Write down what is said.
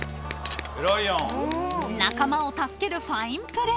［仲間を助けるファインプレー］